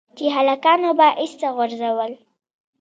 چې هلکانو به ايسته غورځول.